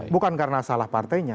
bukan karena salah partainya